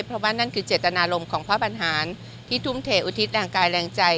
เพราะว่านั่นคือเจตนารมณ์ของพระบรรหารที่ทุ่มเทอุทิศทางกายแรงใจ